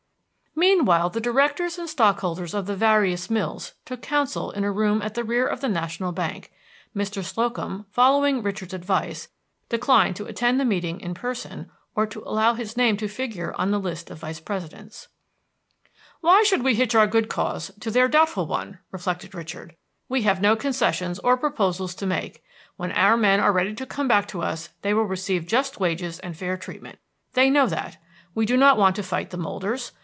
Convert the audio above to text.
Meanwhile the directors and stockholders of the various mills took counsel in a room at the rear of the National Bank. Mr. Slocum, following Richard's advice, declined to attend the meeting in person, or to allow his name to figure on the list of vice presidents. "Why should we hitch our good cause to their doubtful one?" reflected Richard. "We have no concessions or proposals to make. When our men are ready to come back to us, they will receive just wages and fair treatment. They know that. We do not want to fight the molders.